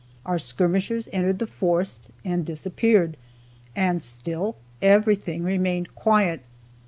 Our skirmishers entered the forest, and disappeared, and still everything remained quiet.